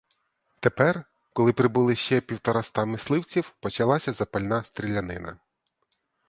Тепер, коли прибули ще півтораста мисливців, почалася запальна стрілянина.